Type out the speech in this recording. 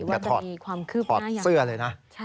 ว่าจะมีความคืบหน้าอย่างถอดเสื้อเลยนะ